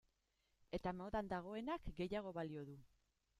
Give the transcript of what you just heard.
Eta modan dagoenak gehiago balio du.